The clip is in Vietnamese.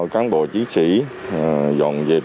cán bộ chiến sĩ dọn dệt